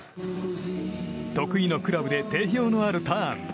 得意のクラブで定評のあるターン。